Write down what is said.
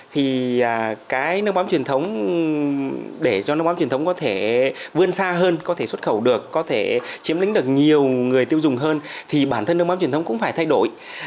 thì cái nước mắm truyền thống để cho nước mắm truyền thống có thể vươn xa hơn có thể xuất khẩu được có thể chiếm lính được nhiều người tiêu dùng hơn thì bản thân nước mắm truyền thống cũng phải thay đổi